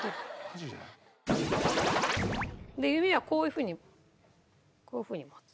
で指はこういうふうにこういうふうに持つ。